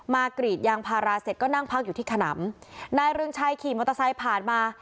กรีดยางพาราเสร็จก็นั่งพักอยู่ที่ขนำนายเรืองชัยขี่มอเตอร์ไซค์ผ่านมา